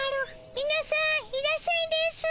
みなさんいらっしゃいですぅ。